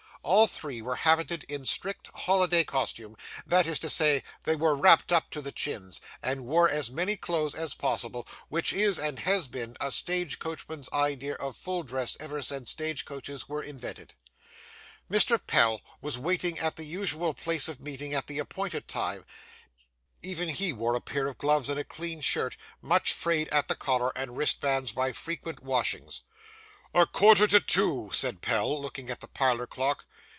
All three were habited in strict holiday costume; that is to say, they were wrapped up to the chins, and wore as many clothes as possible, which is, and has been, a stage coachman's idea of full dress ever since stage coaches were invented. Mr. Pell was waiting at the usual place of meeting at the appointed time; even he wore a pair of gloves and a clean shirt, much frayed at the collar and wristbands by frequent washings. 'A quarter to two,' said Pell, looking at the parlour clock.